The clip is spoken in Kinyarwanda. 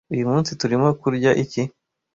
Uyu munsi turimo kurya iki?